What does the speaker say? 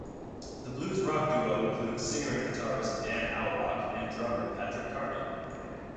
The blues-rock duo includes singer and guitarist, Dan Auerbach, and drummer, Patrick Carney.